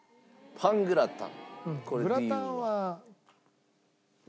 パングラタン。